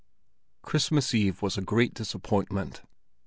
VII Christmas Eve was a great disappointment.